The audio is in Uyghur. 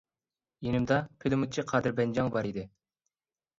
يېنىمدا پىلىموتچى قادىر بەنجاڭ بار ئىدى.